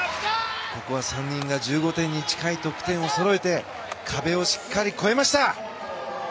ここは３人が１５点に近い得点をそろえて壁をしっかり越えました！